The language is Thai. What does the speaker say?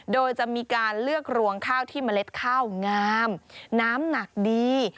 โดยจะมีการเลือกรวงข้าวที่เมล็ดข้าวงามน้ำหนักดี